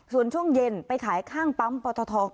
ส่วนช่วงเย็นไปขายข้างปั๊มปอตท